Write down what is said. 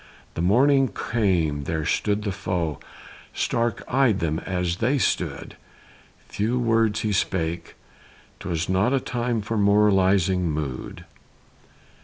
The morning came there stood the foe, Stark eyed them as they stood Few words he spake 'twas not a time For moralizing mood.